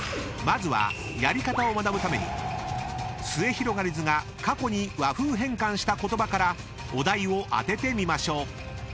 ［まずはやり方を学ぶためにすゑひろがりずが過去に和風変換した言葉からお題を当ててみましょう］